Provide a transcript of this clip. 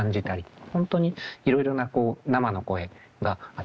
本当にいろいろな生の声が集まって。